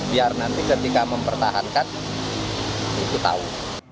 biar nanti ketika mempertahankan itu tahu